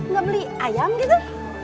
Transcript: gak beli ayam gitu